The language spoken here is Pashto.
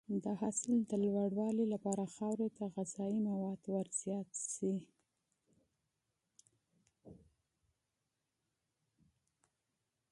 د حاصل د لوړوالي لپاره خاورې ته غذایي مواد ورزیات شي.